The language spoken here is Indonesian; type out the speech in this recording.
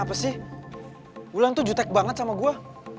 kenapa sih ulan tuh jutek banget sama gue